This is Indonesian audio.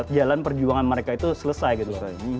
apakah jalan perjuangan mereka itu selesai gitu